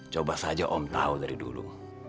coba saja om tahu dari dulu